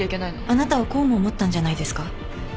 あなたはこうも思ったんじゃないですか？